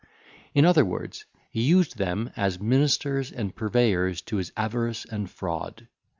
In other words, he used them as ministers and purveyors to his avarice and fraud.